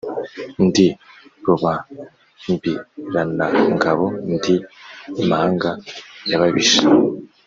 Ndi Rubambiranangabo, ndi imanga y’ababisha